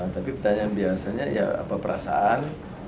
tapi pertanyaan biasanya ya apa perasaan